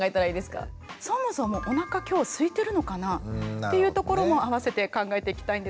そもそもおなか今日すいてるのかな？っていうところもあわせて考えていきたいんですよね。